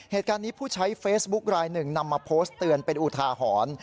เหตุการณ์นี้ผู้ใช้เฟซบุ๊คลายหนึ่งนำมาโพสต์เตือนเป็นอุทาหรณ์